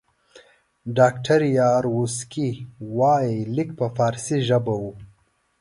ډاکټر یاورسکي وایي لیک په فارسي ژبه وو.